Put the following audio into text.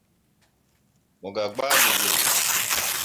Mo gah gbaa git git.